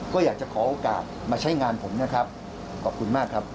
ก็อยากจะขอโอกาสมาใช้งานผมนะครับขอบคุณมากครับ